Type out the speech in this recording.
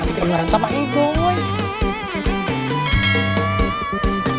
nanti kejengaran sama ido woy